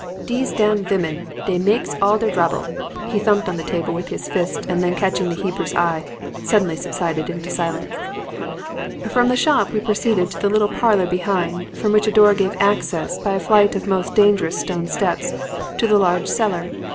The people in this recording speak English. Dese dam vimmen, dey makes all der drabble!' He thumped the table with his fist, and then, catching the Hebrew's eye, suddenly subsided into silence. "From the shop we proceeded to the little parlor behind, from which a door gave access, by a flight of most dangerous stone steps, to the large cellar.